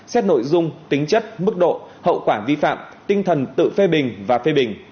xét nội dung tính chất mức độ hậu quả vi phạm tinh thần tự phê bình và phê bình